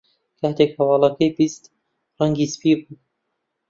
کاتێک هەواڵەکەی بیست، ڕەنگی سپی بوو.